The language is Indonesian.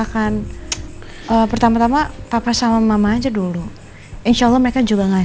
kamarnya sebelah mana